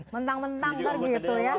mentang mentang kan gitu ya